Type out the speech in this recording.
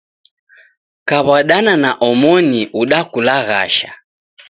Kaw'adana na omoni udakulaghasha.